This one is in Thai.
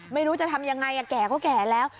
ไม่รู้จะทำยังไงแก่ก็แก่แล้ว